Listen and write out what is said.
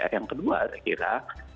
yang kedua saya kira